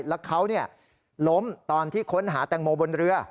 แล้วเขาล้มตอนที่ค้นหาแตงโมบนเรือ